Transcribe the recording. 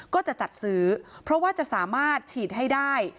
ก็จะจัดซื้อเพราะว่าจะสามารถฉีดให้ได้